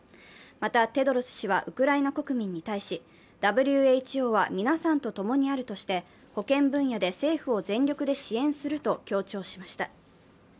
また、テドロス氏はウクライナ国民に対しＷＨＯは皆さんとともにあるとして保健分野で政府を全力で支援すると強調しました。